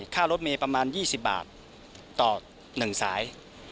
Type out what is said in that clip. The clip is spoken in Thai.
รถเมย์ประมาณ๒๐บาทต่อ๑สาย